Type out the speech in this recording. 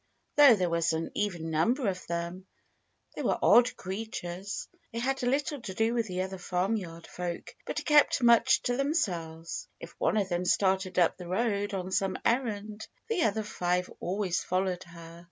Though there was an even number of them, they were odd creatures. They had little to do with the other farmyard folk, but kept much to themselves. If one of them started up the road on some errand, the other five always followed her.